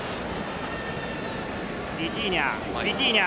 ビティーニャ。